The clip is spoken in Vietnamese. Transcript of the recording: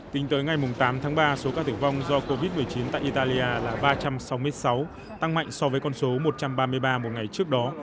tính tới ngày tám tháng ba số ca tử vong do covid một mươi chín tại italia là ba trăm sáu mươi sáu tăng mạnh so với con số một trăm ba mươi ba một ngày trước đó